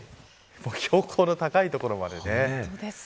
標高の高い所までね。